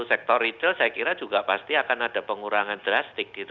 sektor retail saya kira juga pasti akan ada pengurangan drastis gitu